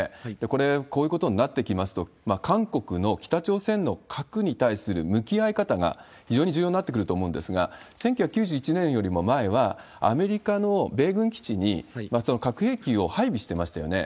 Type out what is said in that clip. これ、こういうことになってきますと、韓国の北朝鮮の核に対する向き合い方が非常に重要になってくると思うんですが、１９９１年よりも前は、アメリカの米軍基地に核兵器を配備してましたよね。